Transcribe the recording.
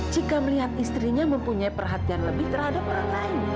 jika melihat istrinya mempunyai perhatian lebih terhadap orang lain